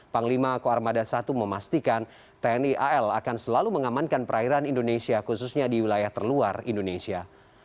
panglima koarmada satu memastikan tni al akan selalu mengamankan perairan indonesia khususnya di wilayah terluar indonesia